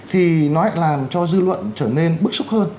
thì nó lại làm cho dư luận trở nên bức xúc hơn